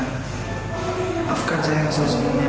maafkan saya yang selesai